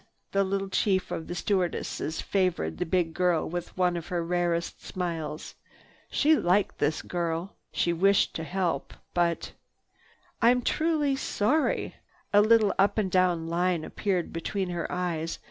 The little chief of the stewardesses favored the big girl with one of her rarest smiles. She too liked this girl. She wished to help, but— "I'm truly sorry!" A little up and down line appeared between her eyes.